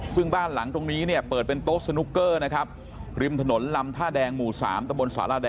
ซึ่งบ้านหลังตรงนี้เนี่ยเปิดเป็นโต๊ะสนุกเกอร์นะครับริมถนนลำท่าแดงหมู่สามตะบนสารแดง